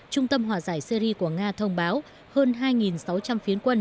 trung tâm hòa giải syri của nga thông báo hơn hai sáu trăm linh phiến quân